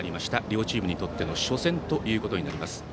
両チームにとっての初戦ということになります。